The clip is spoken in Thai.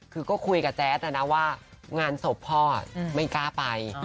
คือก็คุยกับแจ๊ดนะนะว่างานศพพ่อไม่กล้าไป